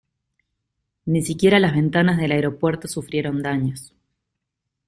Ni siquiera las ventanas del aeropuerto sufrieron daños.